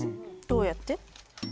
どうやって？